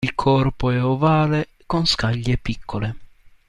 Il corpo è ovale con scaglie piccole.